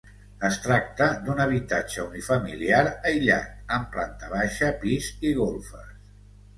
Es tracta d'un habitatge unifamiliar aïllat, amb planta baixa, pis i golfes.